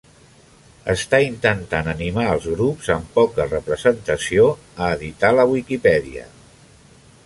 Està intentant animar els grups amb poca representació a editar la Wikipedia